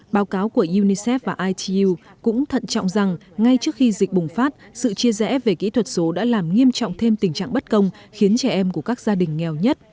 báo cáo của unicef và itu cũng thận trọng rằng ngay trước khi dịch bùng phát sự chia rẽ về kỹ thuật số đã làm nghiêm trọng thêm tình trạng bất công khiến trẻ em của các gia đình nghèo nhất